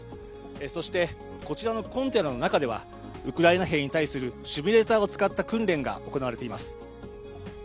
そしてこちらのコンテナの中ではウクライナ兵に対するシミュレーターを使った訓練が行われています。